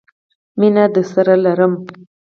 مینه درسره لرم